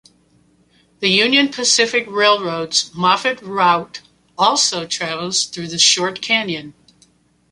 The Union Pacific Railroad's Moffat Route also travels through the short canyon.